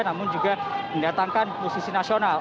namun juga mendatangkan musisi nasional